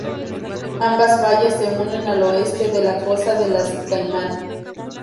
Ambas fallas se unen al oeste de la fosa de las Caimán.